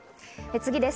次です。